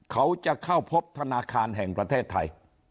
เขาจะเข้าพบธนาคารแห่งประเทศไทย